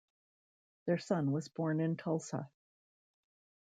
Their son was born in Tulsa.